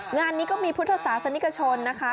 งานนี้ก็มีพุทธศาสตร์ฟรรณิกชนนะคะ